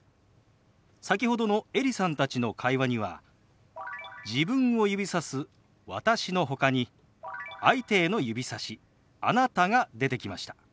先ほどのエリさんたちの会話には自分を指さす「私」のほかに相手への指さし「あなた」が出てきました。